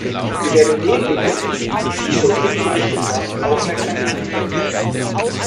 Wir werden den Dingen, die Sie uns soeben berichtet haben, aufmerksam nachgehen.